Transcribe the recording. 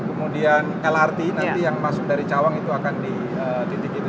kemudian lrt nanti yang masuk dari cawang itu akan di titik itu